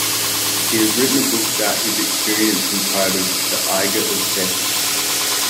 He has written a book about his experience entitled "The Eiger Obsession".